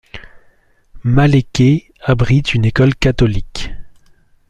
Maleke abrite une école catholique.